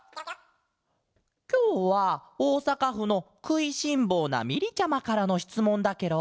きょうはおおさかふの「くいしんぼうなみり」ちゃまからのしつもんだケロ！